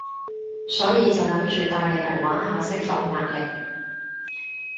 所以就諗住帶你嚟玩下，釋放壓力